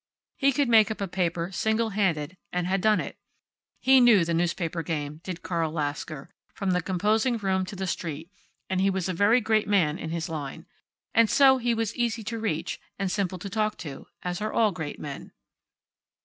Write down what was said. He could make up a paper single handed, and had done it. He knew the newspaper game, did Carl Lasker, from the composing room to the street, and he was a very great man in his line. And so he was easy to reach, and simple to talk to, as are all great men.